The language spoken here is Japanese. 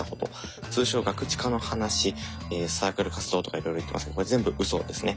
通称ガクチカの話サークル活動とかいろいろ言ってますけどこれ全部うそですね。